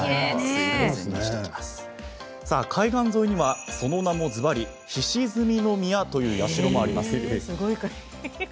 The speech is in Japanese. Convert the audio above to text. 海岸沿いには、その名もずばり日沈宮という社もあります。